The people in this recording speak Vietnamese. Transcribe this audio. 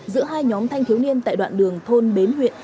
giữa hai nhóm thanh thiếu niên tại đoạn đường thôn bến huyện